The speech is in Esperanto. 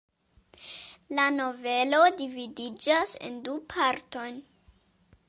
La novelo dividiĝas en du partojn.